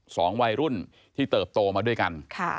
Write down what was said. สองวัยรุ่นที่เติบโตมาด้วยกัน